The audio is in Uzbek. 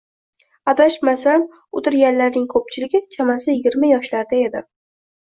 adashmasam, oʻtirganlarning koʻpchiligi chamasi yigirma yoshlarda edi.